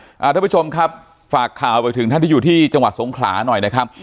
ท่านผู้ชมครับฝากข่าวไปถึงท่านที่อยู่ที่จังหวัดสงขลาหน่อยนะครับ